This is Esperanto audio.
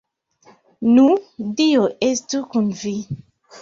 Nu, dio estu kun vi.